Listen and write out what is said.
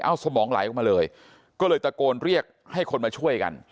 เอาสมองไหลออกมาเลยก็เลยตะโกนเรียกให้คนมาช่วยกัน